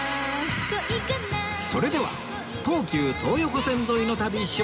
それでは東急東横線沿いの旅出発！